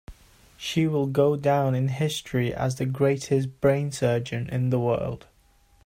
She will go down in history as the greatest brain surgeon in the world.